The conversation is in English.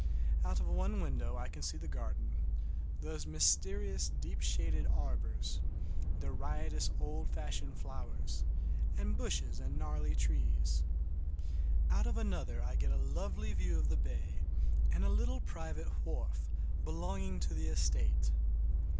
Out of one window I can see the garden, those mysterious deep shaded arbors, the riotous old fashioned flowers, and bushes and gnarly trees. Out of another I get a lovely view of the bay and a little private wharf belonging to the estate.